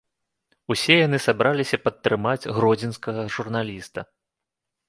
Усе яны сабраліся падтрымаць гродзенскага журналіста.